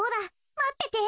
まってて。